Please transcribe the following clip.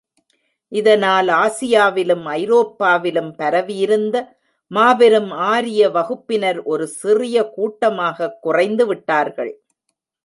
இதனால் ஆசியாவிலும் ஐரோப்பாவிலும் பரவியிருந்த மாபெரும் ஆரிய வகுப்பினர் ஒரு சிறிய கூட்டமாகக் குறைந்து விட்டார்கள்.